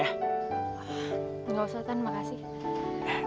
engga usah tan makasih